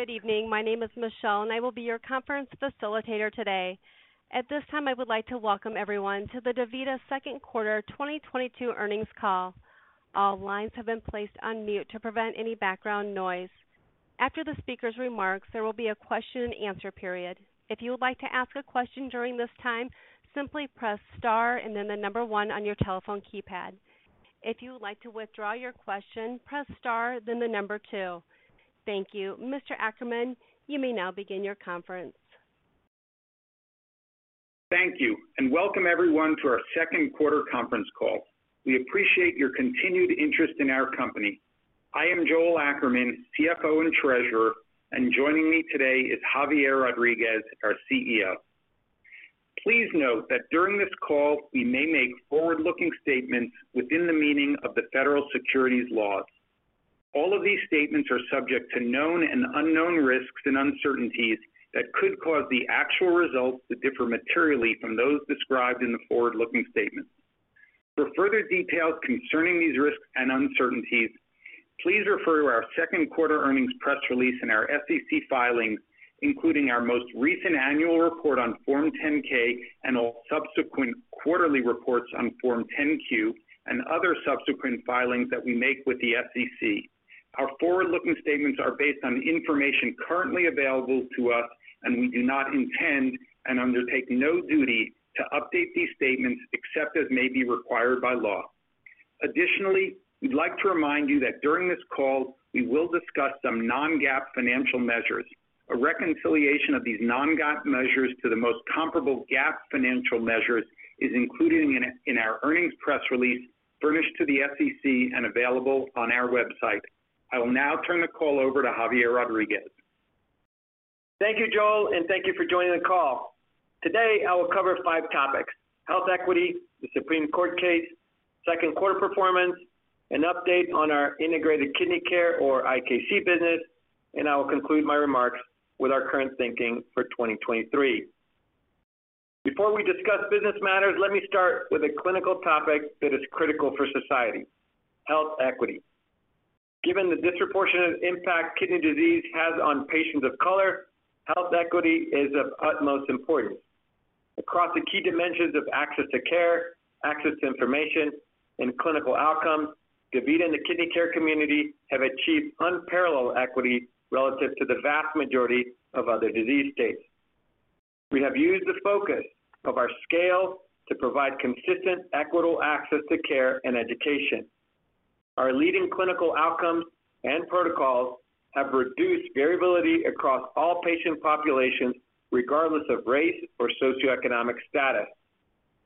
Good evening. My name is Michelle, and I will be your conference facilitator today. At this time, I would like to welcome everyone to the DaVita Second Quarter 2022 earnings call. All lines have been placed on mute to prevent any background noise. After the speaker's remarks, there will be a question and answer period. If you would like to ask a question during this time, simply press star and then the number one on your telephone keypad. If you would like to withdraw your question, press star, then the number two. Thank you. Mr. Ackerman, you may now begin your conference. Thank you, and welcome everyone to our second quarter conference call. We appreciate your continued interest in our company. I am Joel Ackerman, CFO and Treasurer, and joining me today is Javier Rodriguez, our CEO. Please note that during this call, we may make forward-looking statements within the meaning of the Federal securities laws. All of these statements are subject to known and unknown risks and uncertainties that could cause the actual results to differ materially from those described in the forward-looking statements. For further details concerning these risks and uncertainties, please refer to our second quarter earnings press release in our SEC filings, including our most recent annual report on Form 10-K and all subsequent quarterly reports on Form 10-Q and other subsequent filings that we make with the SEC. Our forward-looking statements are based on the information currently available to us, and we do not intend and undertake no duty to update these statements except as may be required by law. Additionally, we'd like to remind you that during this call, we will discuss some non-GAAP financial measures. A reconciliation of these non-GAAP measures to the most comparable GAAP financial measures is included in our earnings press release furnished to the SEC and available on our website. I will now turn the call over to Javier Rodriguez. Thank you, Joel, and thank you for joining the call. Today, I will cover five topics, health equity, the Supreme Court case, second quarter performance, an update on our integrated kidney care or IKC business, and I will conclude my remarks with our current thinking for 2023. Before we discuss business matters, let me start with a clinical topic that is critical for society, health equity. Given the disproportionate impact kidney disease has on patients of color, health equity is of utmost importance. Across the key dimensions of access to care, access to information, and clinical outcomes, DaVita and the kidney care community have achieved unparalleled equity relative to the vast majority of other disease states. We have used the focus of our scale to provide consistent, equitable access to care and education. Our leading clinical outcomes and protocols have reduced variability across all patient populations, regardless of race or socioeconomic status.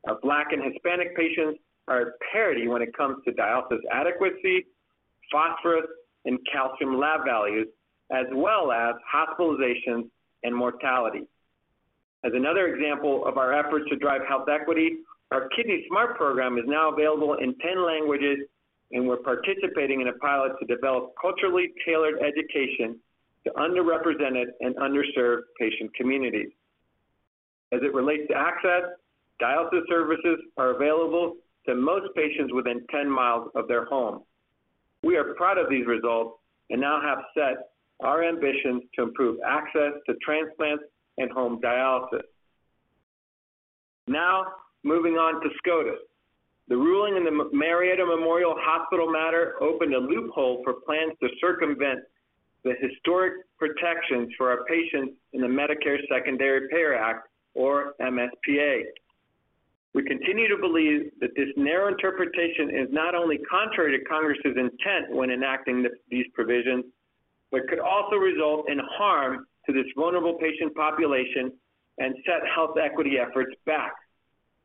Our Black and Hispanic patients are at parity when it comes to dialysis adequacy, phosphorus and calcium lab values, as well as hospitalizations and mortality. As another example of our efforts to drive health equity, our Kidney Smart Program is now available in 10 languages, and we're participating in a pilot to develop culturally tailored education to underrepresented and underserved patient communities. As it relates to access, dialysis services are available to most patients within 10 miles of their home. We are proud of these results and now have set our ambitions to improve access to transplants and home dialysis. Now, moving on to SCOTUS. The ruling in the Marietta Memorial Hospital matter opened a loophole for plans to circumvent the historic protections for our patients in the Medicare Secondary Payer Act or MSPA. We continue to believe that this narrow interpretation is not only contrary to Congress's intent when enacting these provisions, but could also result in harm to this vulnerable patient population and set health equity efforts back.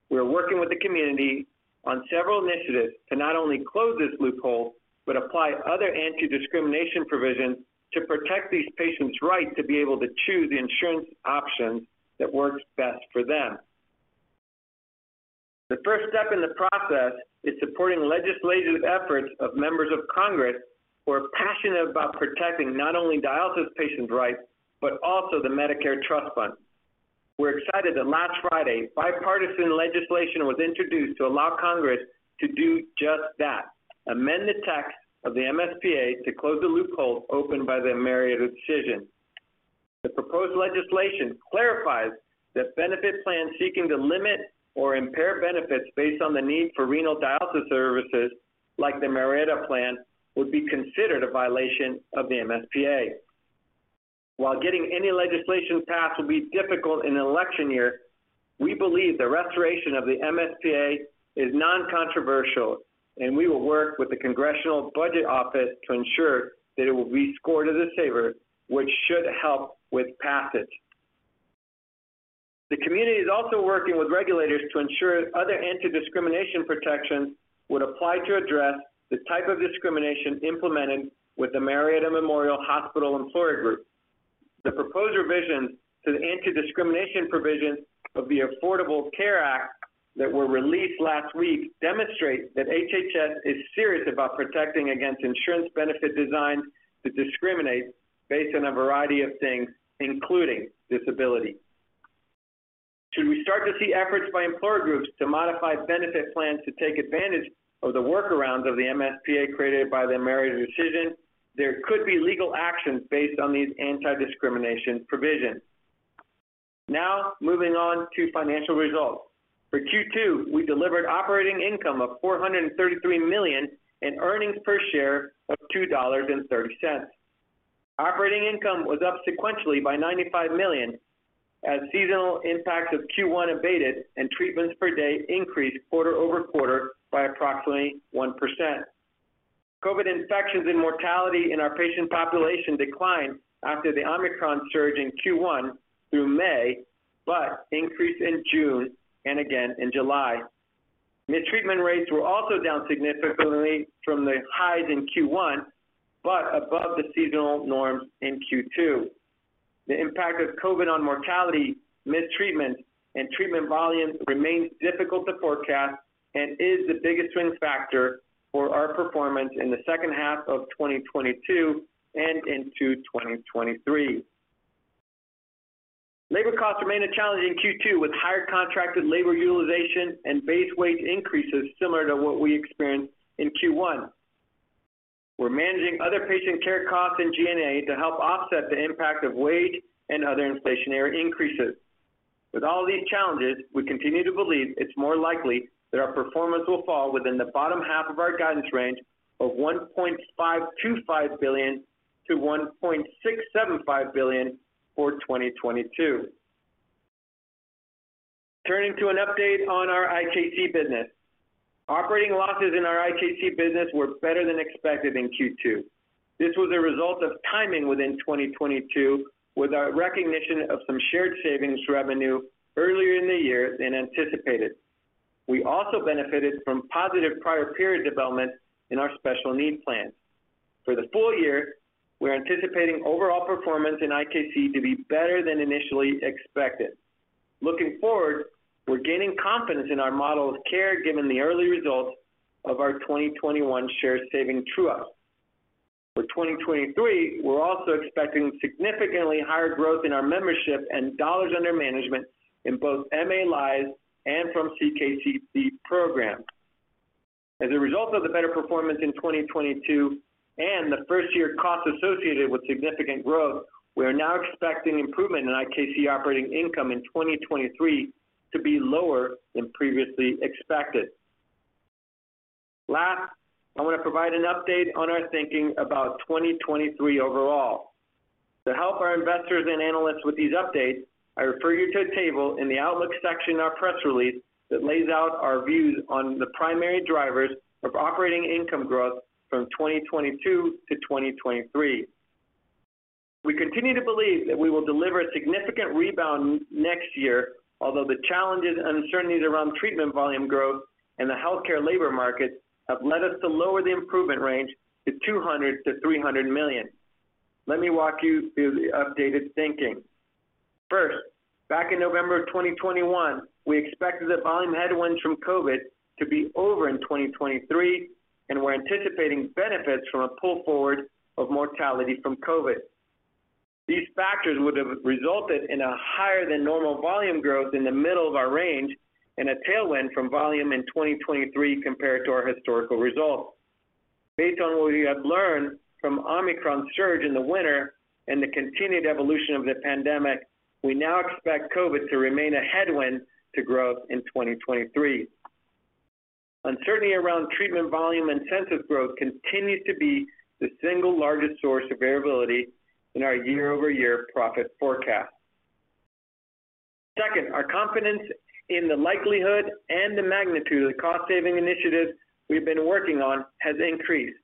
We are working with the community on several initiatives to not only close this loophole but apply other anti-discrimination provisions to protect these patients' right to be able to choose the insurance option that works best for them. The first step in the process is supporting legislative efforts of members of Congress who are passionate about protecting not only dialysis patients' rights, but also the Medicare trust fund. We're excited that last Friday, bipartisan legislation was introduced to allow Congress to do just that. Amend the text of the MSPA to close the loophole opened by the Marietta decision. The proposed legislation clarifies that benefit plans seeking to limit or impair benefits based on the need for renal dialysis services like the Marietta Plan would be considered a violation of the MSPA. While getting any legislation passed will be difficult in an election year, we believe the restoration of the MSPA is non-controversial, and we will work with the Congressional Budget Office to ensure that it will be scored as a saver, which should help with passage. The community is also working with regulators to ensure other anti-discrimination protections would apply to address the type of discrimination implemented with the Marietta Memorial Hospital employer group. The proposed revisions to the anti-discrimination provisions of the Affordable Care Act that were released last week demonstrate that HHS is serious about protecting against insurance benefit designs that discriminate based on a variety of things, including disability. Should we start to see efforts by employer groups to modify benefit plans to take advantage of the workarounds of the MSPA created by the Ameritas decision, there could be legal actions based on these anti-discrimination provisions. Now moving on to financial results. For Q2, we delivered operating income of $433 million and earnings per share of $2.30. Operating income was up sequentially by $95 million as seasonal impacts of Q1 abated and treatments per day increased quarter over quarter by approximately 1%. COVID infections and mortality in our patient population declined after the Omicron surge in Q1 through May, but increased in June and again in July. The treatment rates were also down significantly from the highs in Q1, but above the seasonal norms in Q2. The impact of COVID on mortality, missed treatments, and treatment volumes remains difficult to forecast and is the biggest risk factor for our performance in the second half of 2022 and into 2023. Labor costs remained a challenge in Q2 with higher contracted labor utilization and base wage increases similar to what we experienced in Q1. We're managing other patient care costs in G&A to help offset the impact of wage and other inflationary increases. With all these challenges, we continue to believe it's more likely that our performance will fall within the bottom half of our guidance range of $1.525 billion-$1.675 billion for 2022. Turning to an update on our IKC business. Operating losses in our IKC business were better than expected in Q2. This was a result of timing within 2022, with our recognition of some shared savings revenue earlier in the year than anticipated. We also benefited from positive prior period development in our special needs plans. For the full year, we're anticipating overall performance in IKC to be better than initially expected. Looking forward, we're gaining confidence in our model of care given the early results of our 2021 shared savings true-up. For 2023, we're also expecting significantly higher growth in our membership and dollars under management in both MA lives and from CKCC programs. As a result of the better performance in 2022 and the first year costs associated with significant growth, we are now expecting improvement in IKC operating income in 2023 to be lower than previously expected. Last, I want to provide an update on our thinking about 2023 overall. To help our investors and analysts with these updates, I refer you to a table in the Outlook section of our press release that lays out our views on the primary drivers of operating income growth from 2022 to 2023. We continue to believe that we will deliver a significant rebound next year, although the challenges and uncertainties around treatment volume growth and the healthcare labor market have led us to lower the improvement range to $200 million-$300 million. Let me walk you through the updated thinking. First, back in November of 2021, we expected the volume headwinds from COVID to be over in 2023, and we're anticipating benefits from a pull forward of mortality from COVID. These factors would have resulted in a higher than normal volume growth in the middle of our range and a tailwind from volume in 2023 compared to our historical results. Based on what we have learned from Omicron surge in the winter and the continued evolution of the pandemic, we now expect COVID to remain a headwind to growth in 2023. Uncertainty around treatment volume and census growth continues to be the single largest source of variability in our year-over-year profit forecast. Second, our confidence in the likelihood and the magnitude of the cost-saving initiatives we've been working on has increased.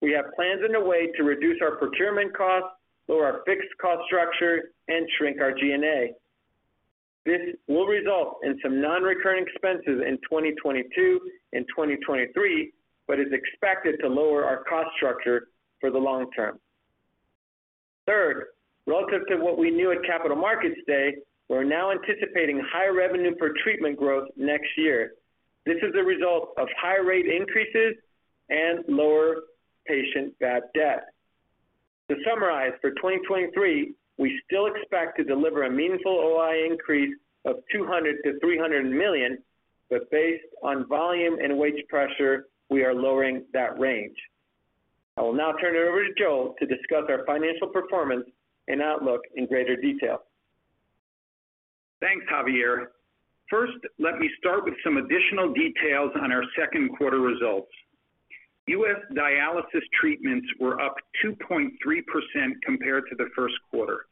We have plans in a way to reduce our procurement costs, lower our fixed cost structure, and shrink our G&A. This will result in some non-recurring expenses in 2022 and 2023, but is expected to lower our cost structure for the long term. Third, relative to what we knew at Capital Markets Day, we're now anticipating higher revenue per treatment growth next year. This is a result of higher rate increases and lower patient bad debt. To summarize, for 2023, we still expect to deliver a meaningful OI increase of $200 million-$300 million, but based on volume and wage pressure, we are lowering that range. I will now turn it over to Joel to discuss our financial performance and outlook in greater detail. Thanks, Javier. First, let me start with some additional details on our second quarter results. U.S. dialysis treatments were up 2.3% compared to the first quarter.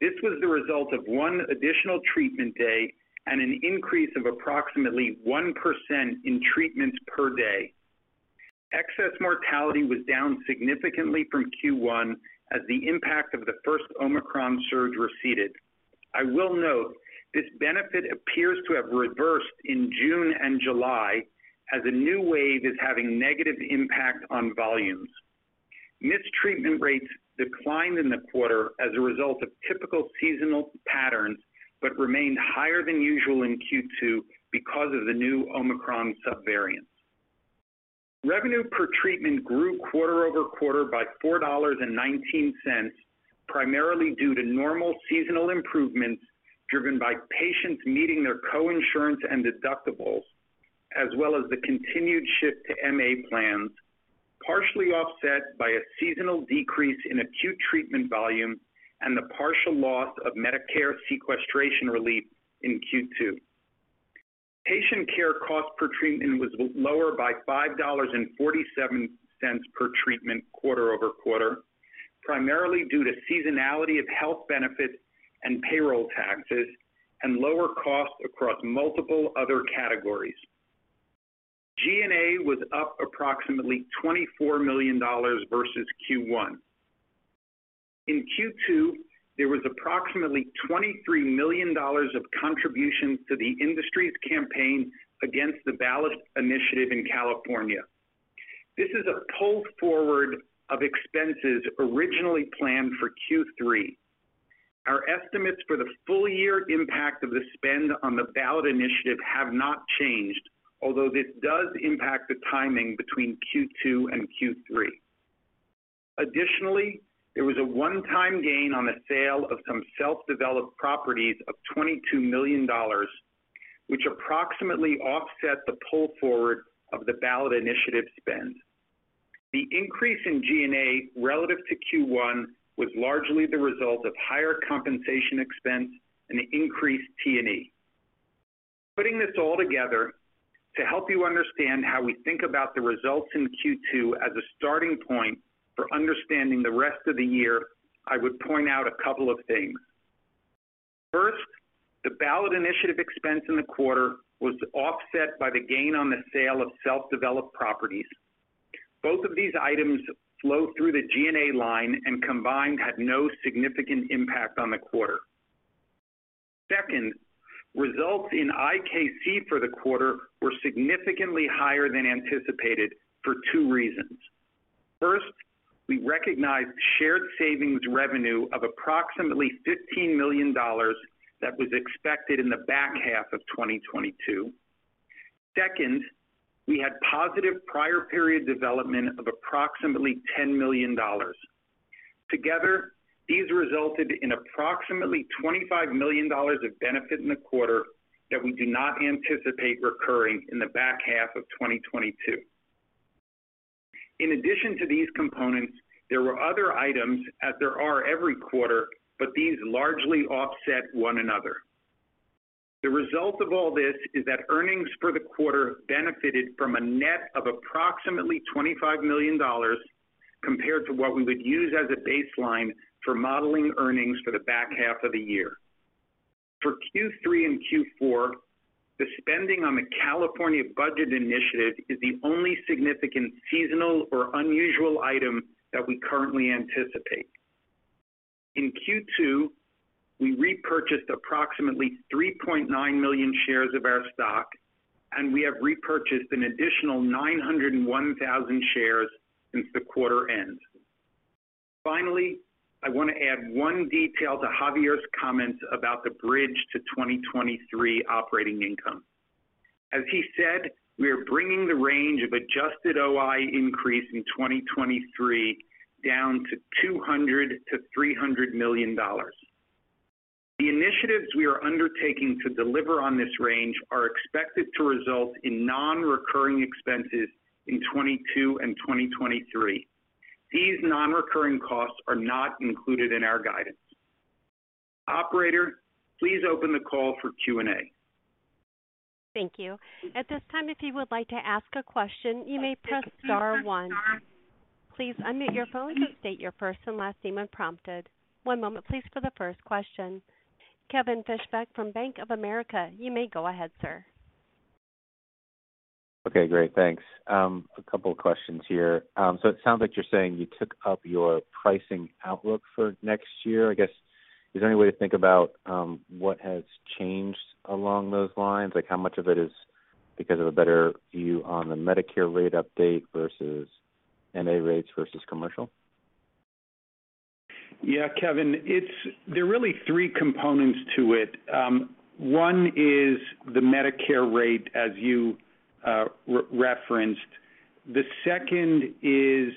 This was the result of one additional treatment day and an increase of approximately 1% in treatments per day. Excess mortality was down significantly from Q1 as the impact of the first Omicron surge receded. I will note this benefit appears to have reversed in June and July as a new wave is having negative impact on volumes. Mistreatment rates declined in the quarter as a result of typical seasonal patterns, but remained higher than usual in Q2 because of the new Omicron subvariant. Revenue per treatment grew quarter-over-quarter by $4.19, primarily due to normal seasonal improvements driven by patients meeting their coinsurance and deductibles, as well as the continued shift to MA plans, partially offset by a seasonal decrease in acute treatment volume and the partial loss of Medicare sequestration relief in Q2. Patient care cost per treatment was lower by $5.47 per treatment quarter-over-quarter, primarily due to seasonality of health benefits and payroll taxes and lower costs across multiple other categories. G&A was up approximately $24 million versus Q1. In Q2, there was approximately $23 million of contribution to the industry's campaign against the ballot initiative in California. This is a pull forward of expenses originally planned for Q3. Our estimates for the full year impact of the spend on the ballot initiative have not changed, although this does impact the timing between Q2 and Q3. Additionally, there was a one-time gain on the sale of some self-developed properties of $22 million, which approximately offset the pull forward of the ballot initiative spend. The increase in G&A relative to Q1 was largely the result of higher compensation expense and increased T&E. Putting this all together to help you understand how we think about the results in Q2 as a starting point for understanding the rest of the year, I would point out a couple of things. First, the ballot initiative expense in the quarter was offset by the gain on the sale of self-developed properties. Both of these items flow through the G&A line and combined had no significant impact on the quarter. Second, results in IKC for the quarter were significantly higher than anticipated for two reasons. First, we recognized shared savings revenue of approximately $15 million that was expected in the back half of 2022. Second, we had positive prior period development of approximately $10 million. Together, these resulted in approximately $25 million of benefit in the quarter that we do not anticipate recurring in the back half of 2022. In addition to these components, there were other items as there are every quarter, but these largely offset one another. The result of all this is that earnings for the quarter benefited from a net of approximately $25 million compared to what we would use as a baseline for modeling earnings for the back half of the year. For Q3 and Q4, the spending on the California budget initiative is the only significant seasonal or unusual item that we currently anticipate. In Q2, we repurchased approximately 3.9 million shares of our stock, and we have repurchased an additional 901,000 shares since the quarter end. Finally, I wanna add one detail to Javier's comments about the bridge to 2023 operating income. As he said, we are bringing the range of adjusted OI increase in 2023 down to $200 million-$300 million. The initiatives we are undertaking to deliver on this range are expected to result in non-recurring expenses in 2022 and 2023. These non-recurring costs are not included in our guidance. Operator, please open the call for Q&A. Thank you. At this time, if you would like to ask a question, you may press star one. Please unmute your phone and state your first and last name when prompted. One moment please for the first question. Kevin Fischbeck from Bank of America. You may go ahead, sir. Okay, great. Thanks. A couple of questions here. It sounds like you're saying you took up your pricing outlook for next year. I guess, is there any way to think about what has changed along those lines? Like how much of it is because of a better view on the Medicare rate update versus MA rates versus commercial? Yeah, Kevin. There are really three components to it. One is the Medicare rate, as you referenced. The second is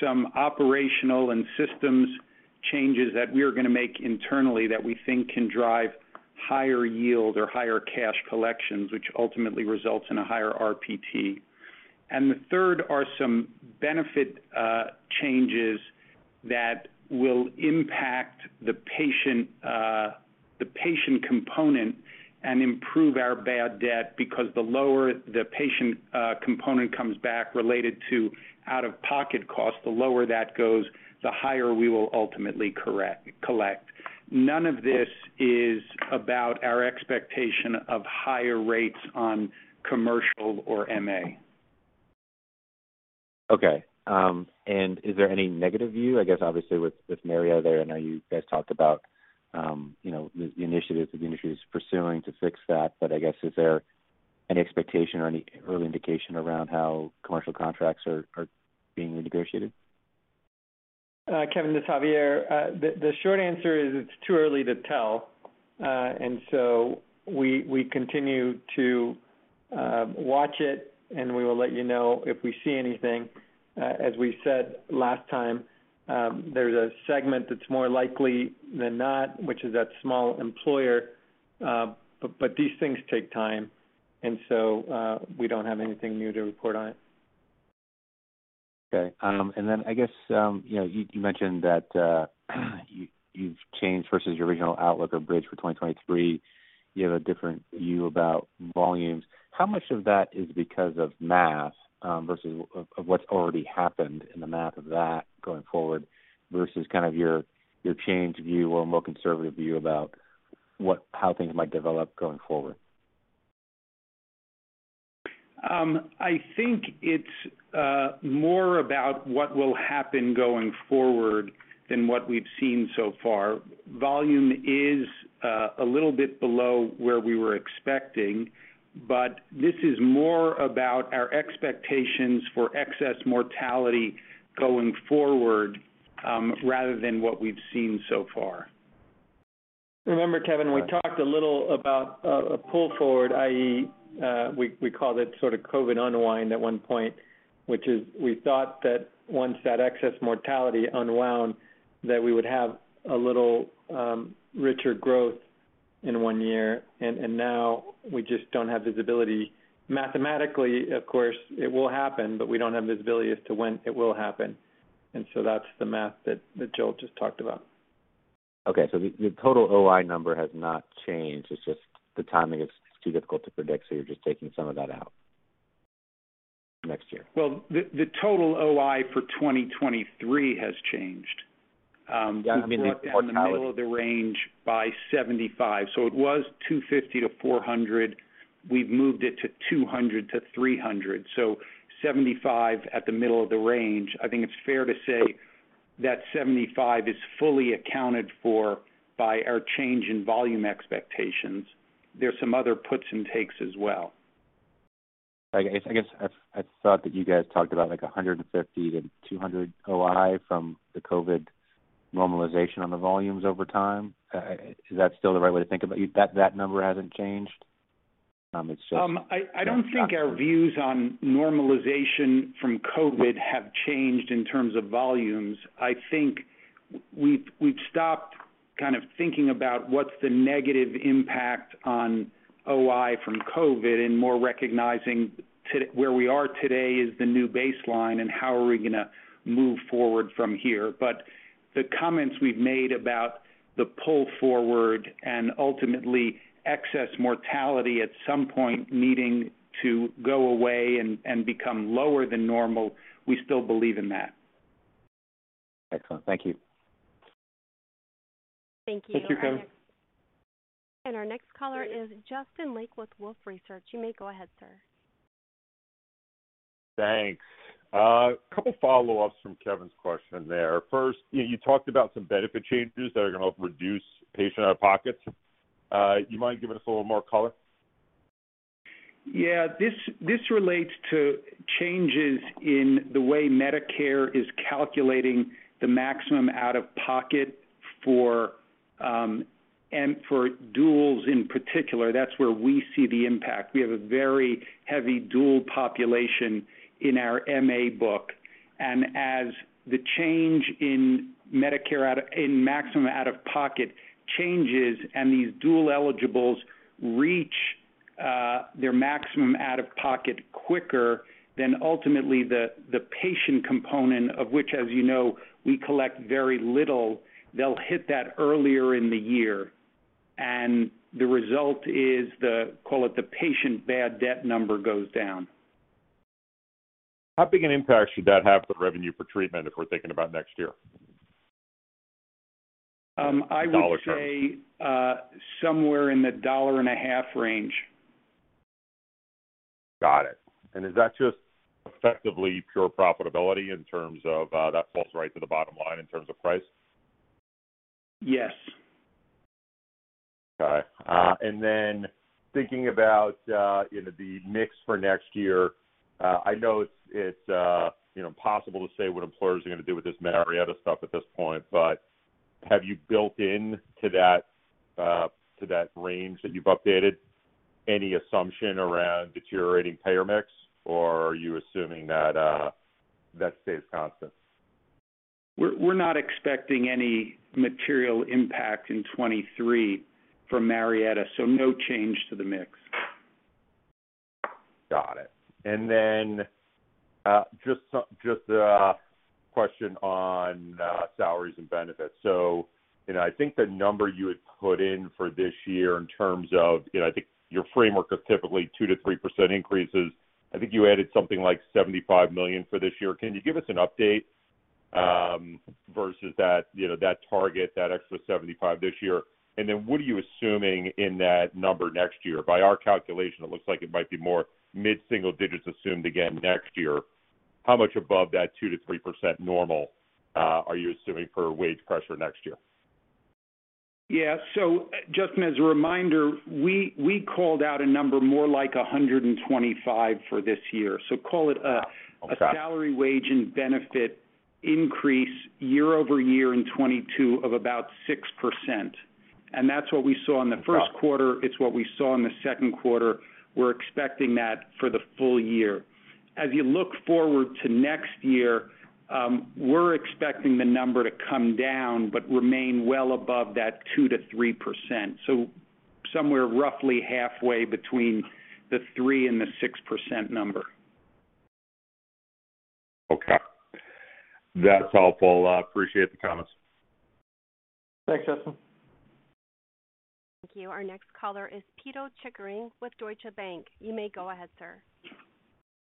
some operational and systems changes that we are gonna make internally that we think can drive higher yield or higher cash collections, which ultimately results in a higher RPT. The third are some benefit changes that will impact the patient component and improve our bad debt, because the lower the patient component comes back related to out-of-pocket costs, the lower that goes, the higher we will ultimately collect. None of this is about our expectation of higher rates on commercial or MA. Okay. Is there any negative view? I guess obviously with Marietta there, I know you guys talked about, you know, the initiatives that the industry is pursuing to fix that, but I guess is there an expectation or any early indication around how commercial contracts are being renegotiated? Javier Rodriguez, the short answer is it's too early to tell. We continue to watch it, and we will let you know if we see anything. As we said last time, there's a segment that's more likely than not, which is that small employer, but these things take time. We don't have anything new to report on it. Okay. Then I guess, you know, you mentioned that you've changed versus your original outlook or bridge for 2023. You have a different view about volumes. How much of that is because of math versus of what's already happened in the math of that going forward versus kind of your changed view or more conservative view about how things might develop going forward? I think it's more about what will happen going forward than what we've seen so far. Volume is a little bit below where we were expecting, but this is more about our expectations for excess mortality going forward, rather than what we've seen so far. Remember, Kevin, we talked a little about a pull forward, i.e., we called it sort of COVID unwind at one point, which is we thought that once that excess mortality unwound, that we would have a little richer growth in one year, and now we just don't have visibility. Mathematically, of course, it will happen, but we don't have visibility as to when it will happen. That's the math that Joel just talked about. Okay. The total OI number has not changed. It's just the timing is too difficult to predict, so you're just taking some of that out next year. Well, the total OI for 2023 has changed. Yeah, I mean the mortality. We brought down the middle of the range by 75. It was 250-400. We've moved it to 200-300. 75 at the middle of the range. I think it's fair to say that 75 is fully accounted for by our change in volume expectations. There's some other puts and takes as well. I guess I thought that you guys talked about like 150-200 OI from the COVID normalization on the volumes over time. Is that still the right way to think about? That number hasn't changed? It's just- I don't think our views on normalization from COVID have changed in terms of volumes. I think we've stopped kind of thinking about what's the negative impact on OI from COVID and more recognizing where we are today is the new baseline, and how are we gonna move forward from here. The comments we've made about the pull forward and ultimately excess mortality at some point needing to go away and become lower than normal, we still believe in that. Excellent. Thank you. Thank you. Thank you, Kevin. Our next caller is Justin Lake with Wolfe Research. You may go ahead, sir. Thanks. A couple follow-ups from Kevin's question there. First, you know, you talked about some benefit changes that are gonna reduce patient out-of-pockets. You mind giving us a little more color? Yeah. This relates to changes in the way Medicare is calculating the maximum out-of-pocket for and for duals in particular. That's where we see the impact. We have a very heavy dual population in our MA book. As the change in Medicare maximum out-of-pocket changes and these dual eligibles reach their maximum out-of-pocket quicker, then ultimately the patient component, of which, as you know, we collect very little, they'll hit that earlier in the year. The result is, call it, the patient bad debt number goes down. How big an impact should that have on revenue per treatment if we're thinking about next year? I would say. In dollar terms. Somewhere in the $1.50 range. Got it. Is that just effectively pure profitability in terms of, that falls right to the bottom line in terms of price? Yes. Okay. Thinking about you know the mix for next year, I know it's you know impossible to say what employers are gonna do with this Marietta stuff at this point, but have you built in to that range that you've updated any assumption around deteriorating payer mix, or are you assuming that stays constant? We're not expecting any material impact in 2023 from Marietta, so no change to the mix. Got it. Then, just a question on salaries and benefits. You know, I think the number you had put in for this year in terms of, you know, I think your framework of typically 2%-3% increases, I think you added something like $75 million for this year. Can you give us an update versus that, you know, that target, that extra $75 million this year? What are you assuming in that number next year? By our calculation, it looks like it might be more mid-single digits assumed again next year. How much above that 2%-3% normal are you assuming for wage pressure next year? Yeah. Justin, as a reminder, we called out a number more like 125 for this year. Call it a salary wage and benefit increase year-over-year in 2022 of about 6%. That's what we saw in the first quarter. It's what we saw in the second quarter. We're expecting that for the full year. As you look forward to next year, we're expecting the number to come down, but remain well above that 2%-3%. Somewhere roughly halfway between the 3% and 6% number. Okay. That's helpful. I appreciate the comments. Thanks, Justin. Thank you. Our next caller is Pito Chickering with Deutsche Bank. You may go ahead, sir.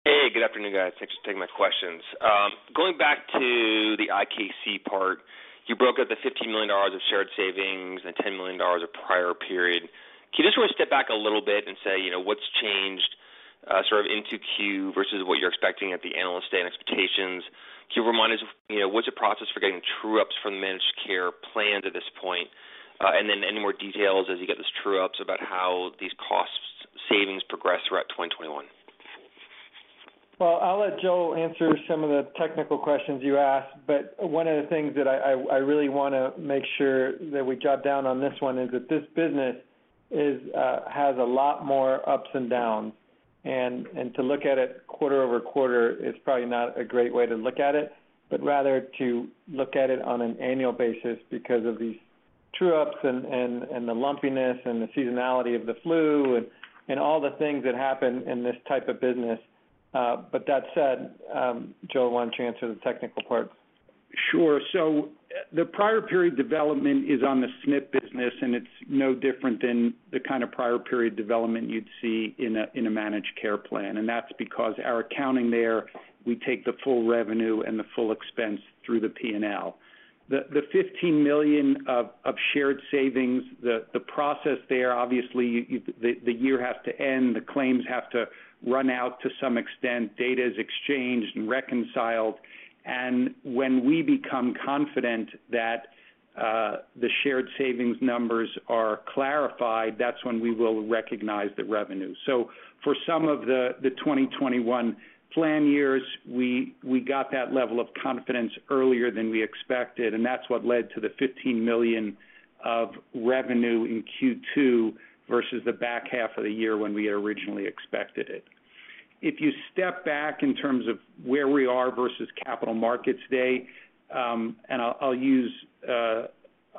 Hey, good afternoon, guys. Thanks for taking my questions. Going back to the IKC part, you broke up the $15 million of shared savings and $10 million of prior period. Can you just want to step back a little bit and say, you know, what's changed, sort of into Q versus what you're expecting at the analyst day and expectations? Can you remind us, you know, what's the process for getting true-ups from the managed care plan to this point? And then any more details as you get these true-ups about how these cost savings progress throughout 2021. Well, I'll let Joel answer some of the technical questions you asked, but one of the things that I really wanna make sure that we jot down on this one is that this business has a lot more ups and downs. To look at it quarter-over-quarter is probably not a great way to look at it, but rather to look at it on an annual basis because of these true-ups and the lumpiness and the seasonality of the flu and all the things that happen in this type of business. That said, Joel, why don't you answer the technical part? Sure. The prior period development is on the SNF business, and it's no different than the kind of prior period development you'd see in a managed care plan. That's because our accounting there, we take the full revenue and the full expense through the P&L. The $15 million of shared savings, the process there, obviously, the year has to end, the claims have to run out to some extent, data is exchanged and reconciled. When we become confident that the shared savings numbers are clarified, that's when we will recognize the revenue. For some of the 2021 plan years, we got that level of confidence earlier than we expected, and that's what led to the $15 million of revenue in Q2 versus the back half of the year when we had originally expected it. If you step back in terms of where we are versus Capital Markets Day, and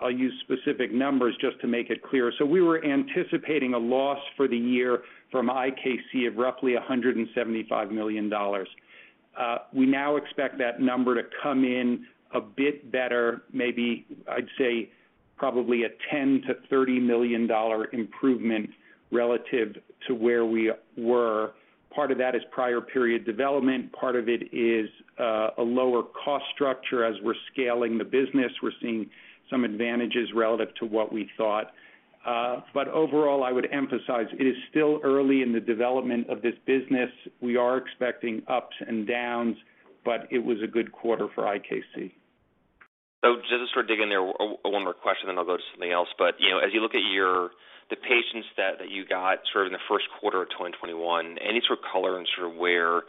I'll use specific numbers just to make it clear. We were anticipating a loss for the year from IKC of roughly $175 million. We now expect that number to come in a bit better, maybe I'd say probably a $10 million-$30 million improvement relative to where we were. Part of that is prior period development. Part of it is a lower cost structure. As we're scaling the business, we're seeing some advantages relative to what we thought. Overall, I would emphasize it is still early in the development of this business. We are expecting ups and downs, but it was a good quarter for IKC. Just to sort of dig in there, one more question, then I'll go to something else. You know, as you look at the patient set that you got sort of in the first quarter of 2021, any sort of color and sort of where,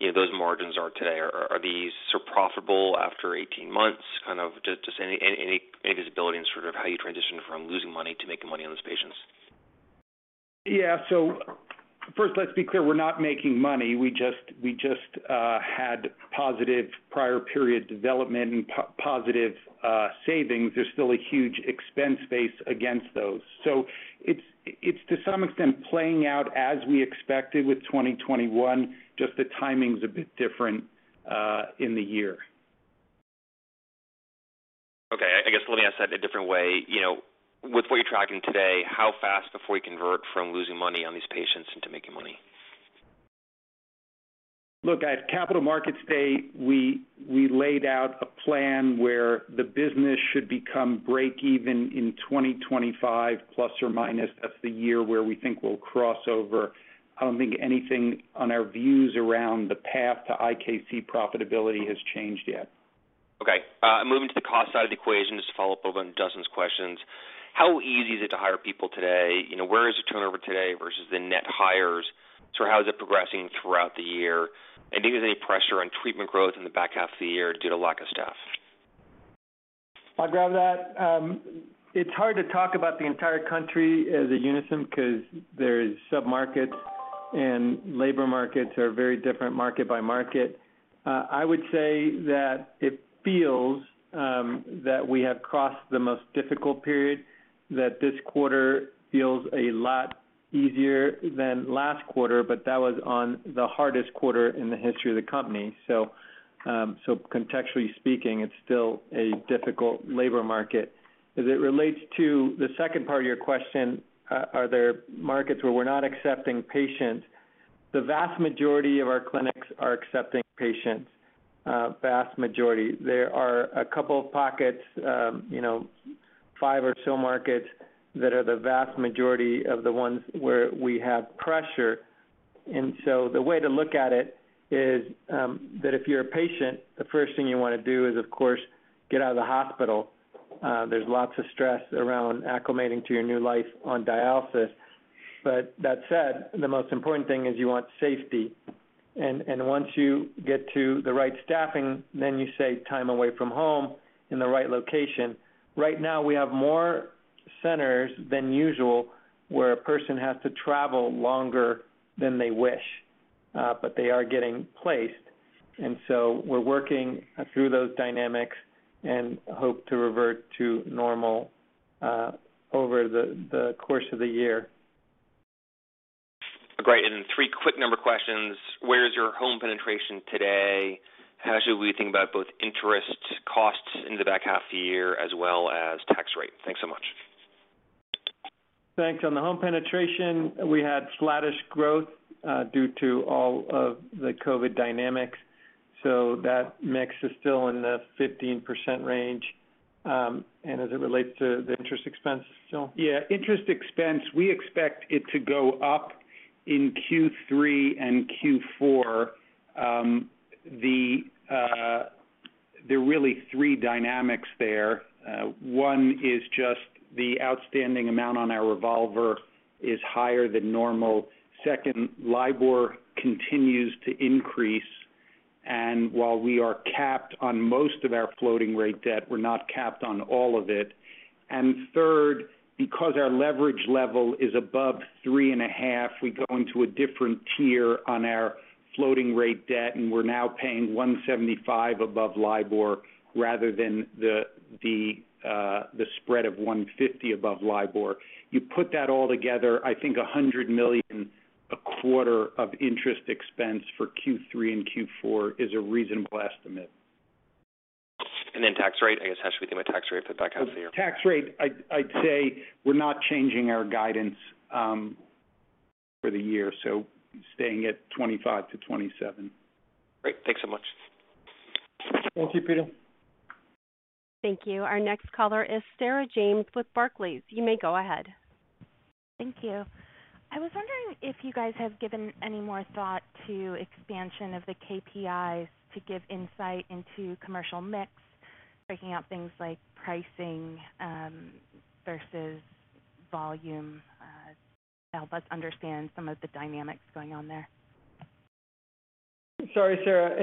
you know, those margins are today, are these sort of profitable after 18 months, kind of just any visibility in sort of how you transitioned from losing money to making money on those patients? First, let's be clear, we're not making money. We just had positive prior period development and positive savings. There's still a huge expense base against those. It's to some extent playing out as we expected with 2021, just the timing's a bit different in the year. Okay. I guess let me ask that a different way. You know, with what you're tracking today, how fast before you convert from losing money on these patients into making money? Look, at Capital Markets Day, we laid out a plan where the business should become break even in 2025, plus or minus. That's the year where we think we'll cross over. I don't think anything on our views around the path to IKC profitability has changed yet. Okay. Moving to the cost side of the equation, just to follow up over on Justin's questions. How easy is it to hire people today? You know, where is the turnover today versus the net hires? How is it progressing throughout the year? Do you have any pressure on treatment growth in the back half of the year due to lack of staff? I'll grab that. It's hard to talk about the entire country as one unit 'cause there's submarkets and labor markets are very different market by market. I would say that it feels that we have crossed the most difficult period, that this quarter feels a lot easier than last quarter, but that was the hardest quarter in the history of the company. Contextually speaking, it's still a difficult labor market. As it relates to the second part of your question, are there markets where we're not accepting patients? The vast majority of our clinics are accepting patients, vast majority. There are a couple of pockets, you know, five or so markets that are the vast majority of the ones where we have pressure. The way to look at it is that if you're a patient, the first thing you wanna do is, of course, get out of the hospital. There's lots of stress around acclimating to your new life on dialysis. That said, the most important thing is you want safety. Once you get to the right staffing, then you save time away from home in the right location. Right now, we have more centers than usual where a person has to travel longer than they wish, but they are getting placed. We're working through those dynamics and hope to revert to normal over the course of the year. Great. Three quick number questions. Where is your home penetration today? How should we think about both interest costs in the back half of the year as well as tax rate? Thanks so much. Thanks. On the home penetration, we had flattish growth, due to all of the COVID dynamics. That mix is still in the 15% range. As it relates to the interest expense, Joel? Yeah. Interest expense, we expect it to go up in Q3 and Q4. There are really three dynamics there. One is just the outstanding amount on our revolver is higher than normal. Second, LIBOR continues to increase, and while we are capped on most of our floating rate debt, we're not capped on all of it. Third, because our leverage level is above 3.5, we go into a different tier on our floating rate debt, and we're now paying 175 above LIBOR rather than the spread of 150 above LIBOR. You put that all together, I think $100 million a quarter of interest expense for Q3 and Q4 is a reasonable estimate. Tax rate, I guess, how should we think about tax rate for the back half of the year? Tax rate, I'd say we're not changing our guidance for the year, so staying at 25%-27%. Great. Thanks so much. Thank you, Pito. Thank you. Our next caller is Sarah James with Barclays. You may go ahead. Thank you. I was wondering if you guys have given any more thought to expansion of the KPIs to give insight into commercial mix, breaking out things like pricing versus volume to help us understand some of the dynamics going on there? Sorry, Sarah.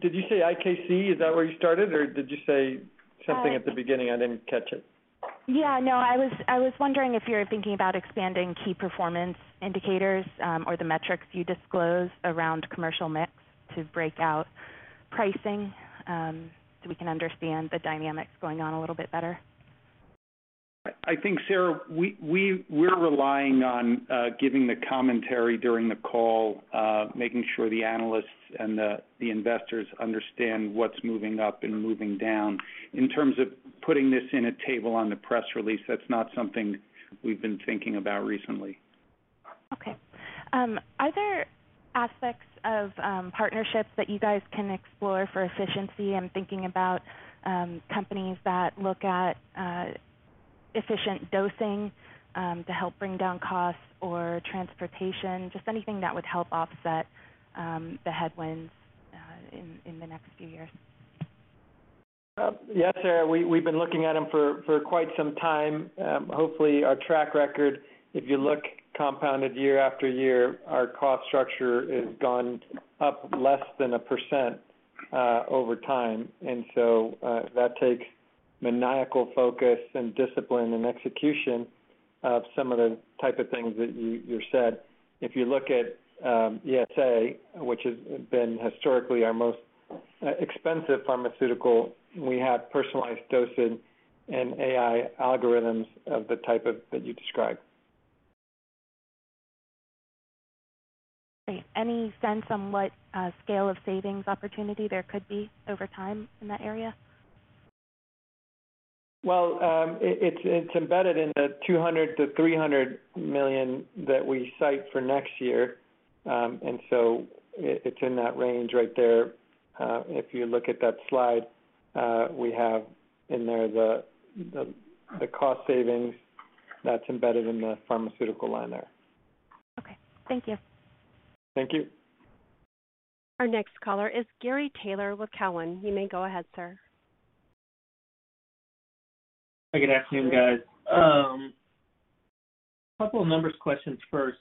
Did you say IKC? Is that where you started? Or did you say something at the beginning? I didn't catch it. Yeah, no. I was wondering if you're thinking about expanding key performance indicators, or the metrics you disclose around commercial mix to break out pricing, so we can understand the dynamics going on a little bit better. I think, Sarah, we're relying on giving the commentary during the call, making sure the analysts and the investors understand what's moving up and moving down. In terms of putting this in a table on the press release, that's not something we've been thinking about recently. Okay. Are there aspects of partnerships that you guys can explore for efficiency? I'm thinking about companies that look at efficient dosing to help bring down costs or transportation, just anything that would help offset the headwinds in the next few years. Yes, Sarah. We've been looking at them for quite some time. Hopefully, our track record, if you look compounded year-after-year, our cost structure has gone up less than 1% over time. That takes maniacal focus and discipline and execution of some of the type of things that you said. If you look at ESA, which has been historically our most expensive pharmaceutical, we have personalized dosing and AI algorithms of the type that you described. Great. Any sense on what, scale of savings opportunity there could be over time in that area? Well, it's embedded in the $200 million-$300 million that we cite for next year. It's in that range right there. If you look at that slide, we have in there the cost savings that's embedded in the pharmaceutical line there. Okay. Thank you. Thank you. Our next caller is Gary Taylor with Cowen. You may go ahead, sir. Good afternoon, guys. Couple of numbers questions first.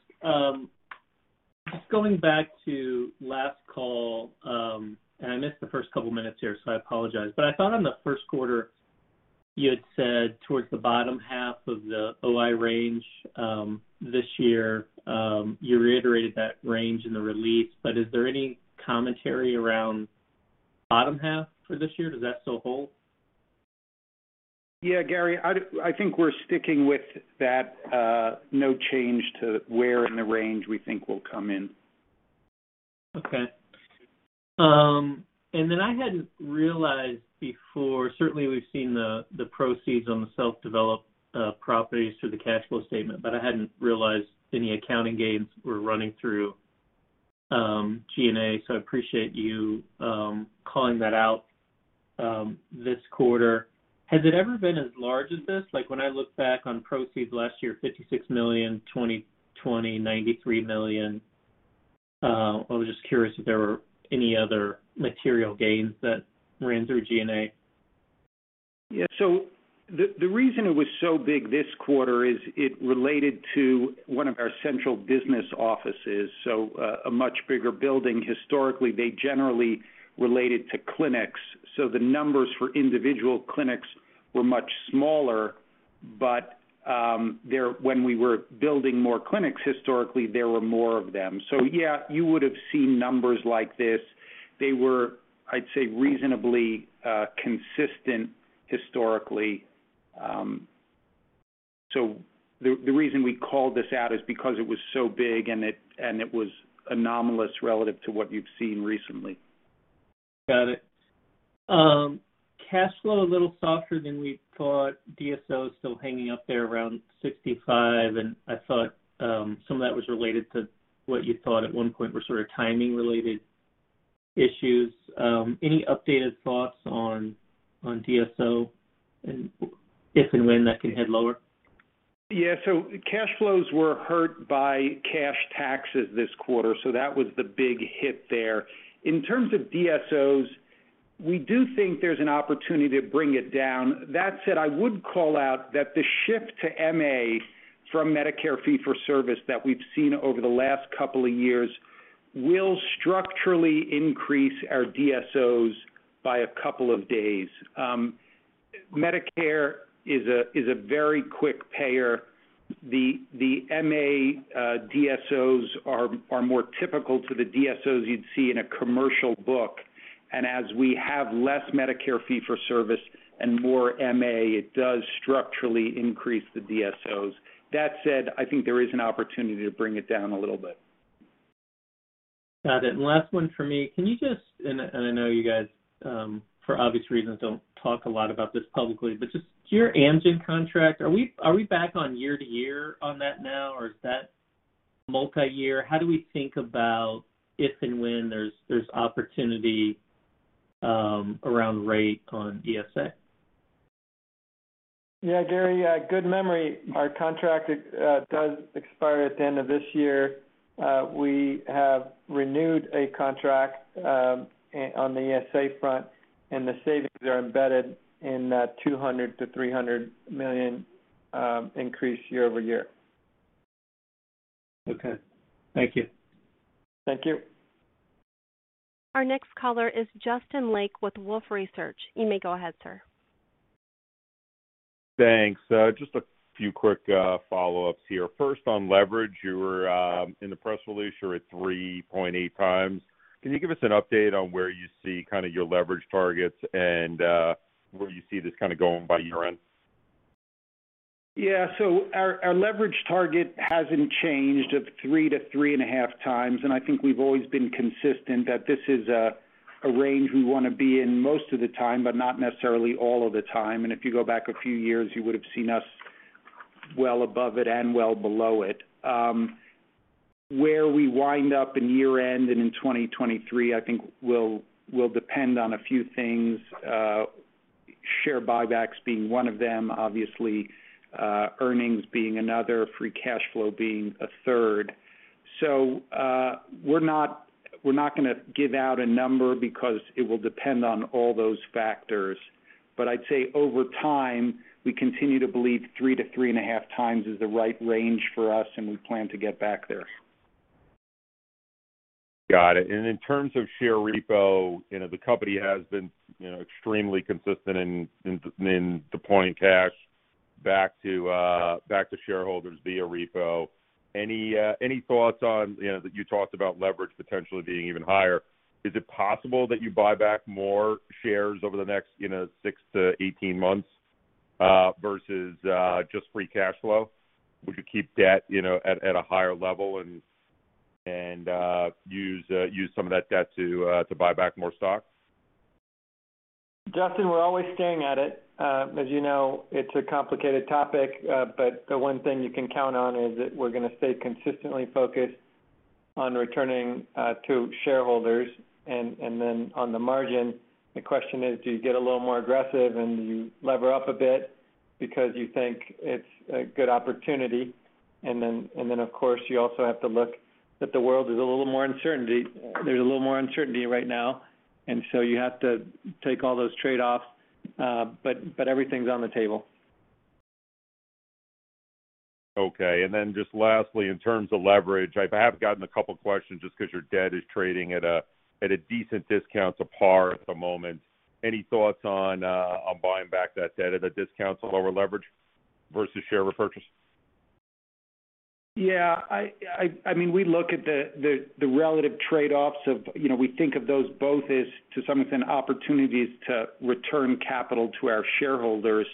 Just going back to last call, and I missed the first couple minutes here, so I apologize. I thought on the first quarter, you had said towards the bottom half of the OI range, this year, you reiterated that range in the release. Is there any commentary around bottom half for this year? Does that still hold? Yeah, Gary, I think we're sticking with that. No change to where in the range we think we'll come in. Okay. Then I hadn't realized before, certainly we've seen the proceeds on the self-developed properties through the cash flow statement, but I hadn't realized any accounting gains were running through G&A. I appreciate you calling that out. This quarter, has it ever been as large as this? Like, when I look back on proceeds last year, $56 million. 2020, $93 million. I was just curious if there were any other material gains that ran through G&A. Yeah. The reason it was so big this quarter is it related to one of our central business offices, a much bigger building. Historically, they generally related to clinics, so the numbers for individual clinics were much smaller. When we were building more clinics historically, there were more of them. Yeah, you would have seen numbers like this. They were, I'd say, reasonably consistent historically. The reason we called this out is because it was so big and it was anomalous relative to what you've seen recently. Got it. Cash flow a little softer than we thought. DSO is still hanging up there around 65, and I thought some of that was related to what you thought at one point were sort of timing related issues. Any updated thoughts on DSO and if and when that can head lower? Yeah. Cash flows were hurt by cash taxes this quarter, so that was the big hit there. In terms of DSOs, we do think there's an opportunity to bring it down. That said, I would call out that the shift to MA from Medicare fee for service that we've seen over the last couple of years will structurally increase our DSOs by a couple of days. Medicare is a very quick payer. The MA DSOs are more typical to the DSOs you'd see in a commercial book. As we have less Medicare fee for service and more MA, it does structurally increase the DSOs. That said, I think there is an opportunity to bring it down a little bit. Got it. Last one for me. I know you guys, for obvious reasons, don't talk a lot about this publicly, but just your Amgen contract, are we back on year-to year-on that now, or is that multi-year? How do we think about if and when there's opportunity around rate on ESA? Yeah, Gary, good memory. Our contract does expire at the end of this year. We have renewed a contract on the ESA front, and the savings are embedded in that $200 million-$300 million increase year-over-year. Okay. Thank you. Thank you. Our next caller is Justin Lake with Wolfe Research. You may go ahead, sir. Thanks. Just a few quick follow-ups here. First, on leverage, you were in the press release, you were at 3.8x. Can you give us an update on where you see kind of your leverage targets and where you see this kind of going by year-end? Yeah. Our leverage target hasn't changed of 3-3.5 times. I think we've always been consistent that this is a range we wanna be in most of the time, but not necessarily all of the time. If you go back a few years, you would have seen us well above it and well below it. Where we wind up in year-end and in 2023, I think will depend on a few things, share buybacks being one of them, obviously, earnings being another, free cash flow being a third. We're not gonna give out a number because it will depend on all those factors. I'd say over time, we continue to believe 3-3.5 times is the right range for us, and we plan to get back there. Got it. In terms of share repo, you know, the company has been, you know, extremely consistent in deploying cash back to shareholders via repo. Any thoughts on, you know, that you talked about leverage potentially being even higher? Is it possible that you buy back more shares over the next, you know, 6-18 months, versus just free cash flow? Would you keep debt, you know, at a higher level and use some of that debt to buy back more stocks? Justin, we're always staring at it. As you know, it's a complicated topic, but the one thing you can count on is that we're gonna stay consistently focused on returning to shareholders. On the margin, the question is, do you get a little more aggressive and you lever up a bit because you think it's a good opportunity? Of course, you also have to look at the world. There's a little more uncertainty right now, and so you have to take all those trade-offs. Everything's on the table. Okay. Just lastly, in terms of leverage, I have gotten a couple questions just because your debt is trading at a decent discount to par at the moment. Any thoughts on buying back that debt at a discount to lower leverage versus share repurchase? Yeah. I mean, we look at the relative trade-offs of, you know, we think of those both as, to some extent, opportunities to return capital to our shareholders.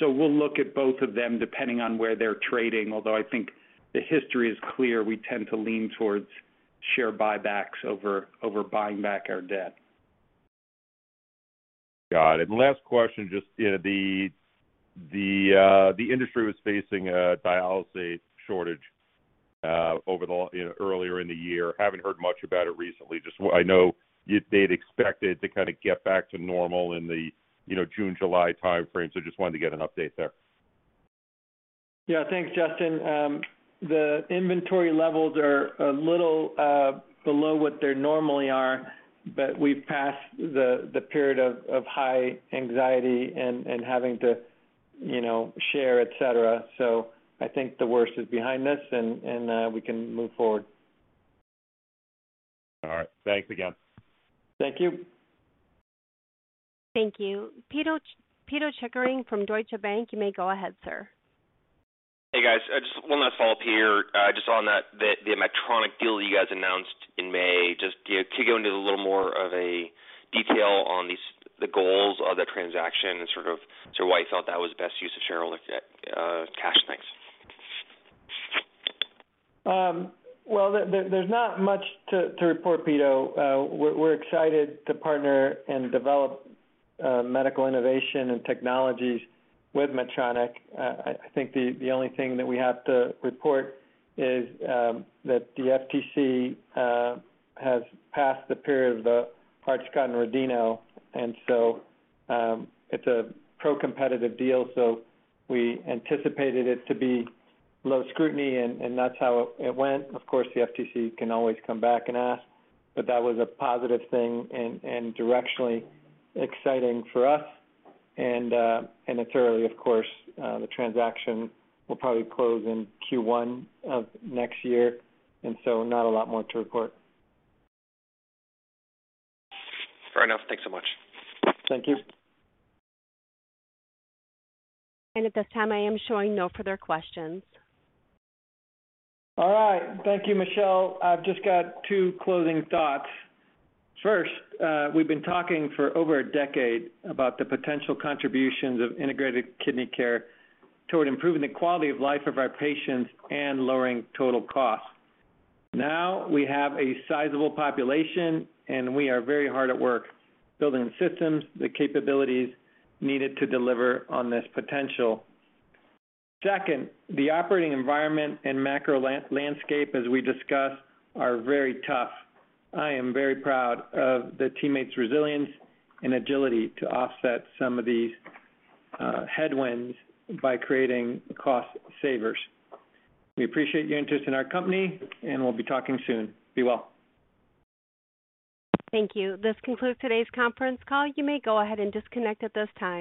We'll look at both of them depending on where they're trading. Although I think the history is clear, we tend to lean towards share buybacks over buying back our debt. Got it. Last question, just, you know, the industry was facing a dialysis shortage earlier in the year. Haven't heard much about it recently. Just what I know they'd expected to kinda get back to normal in the, you know, June, July timeframe. Just wanted to get an update there. Yeah. Thanks, Justin. The inventory levels are a little below what they normally are, but we've passed the period of high anxiety and we can move forward. All right. Thanks again. Thank you. Thank you. Pito Chickering from Deutsche Bank. You may go ahead, sir. Hey, guys. Just one last follow-up here. Just on that, the Medtronic deal that you guys announced in May, just, you know, could you go into a little more of a detail on the goals of the transaction and sort of why you thought that was the best use of shareholder cash? Thanks. Well, there's not much to report, Pito. We're excited to partner and develop medical innovation and technologies with Medtronic. I think the only thing that we have to report is that the FTC has passed the period of the Hart-Scott-Rodino. It's a pro-competitive deal, so we anticipated it to be low scrutiny and that's how it went. Of course, the FTC can always come back and ask, but that was a positive thing and directionally exciting for us. It's early, of course, the transaction will probably close in Q1 of next year, so not a lot more to report. Fair enough. Thanks so much. Thank you. At this time, I am showing no further questions. All right. Thank you, Michelle. I've just got two closing thoughts. First, we've been talking for over a decade about the potential contributions of integrated kidney care toward improving the quality of life of our patients and lowering total costs. Now we have a sizable population, and we are very hard at work building systems, the capabilities needed to deliver on this potential. Second, the operating environment and macro landscape, as we discussed, are very tough. I am very proud of the teammates' resilience and agility to offset some of these headwinds by creating cost savers. We appreciate your interest in our company, and we'll be talking soon. Be well. Thank you. This concludes today's conference call. You may go ahead and disconnect at this time.